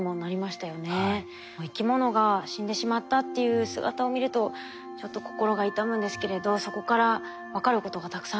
生き物が死んでしまったっていう姿を見るとちょっと心が痛むんですけれどそこから分かることがたくさんあるんですね。